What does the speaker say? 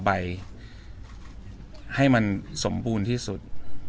ใบให้มันสมบูรณ์ที่สุด